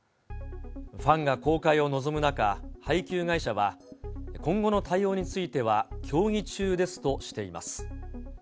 ファンが公開を望む中、配給会社は、今後の対応については、協議中ですとしています。